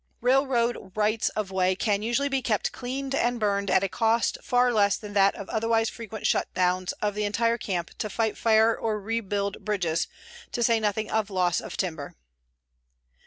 Railroad rights of way can usually be kept cleaned and burned at a cost far less than that of otherwise frequent shutdowns of the entire camp to fight fire or rebuild bridges, to say nothing of loss of timber.